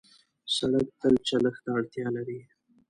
سړک تل چلښت ته اړتیا لري.